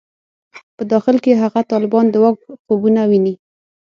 په داخل کې هغه طالبان د واک خوبونه ویني.